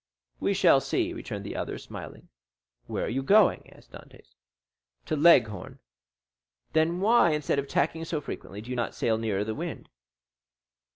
"We shall see," returned the other, smiling. "Where are you going?" asked Dantès. "To Leghorn." "Then why, instead of tacking so frequently, do you not sail nearer the wind?"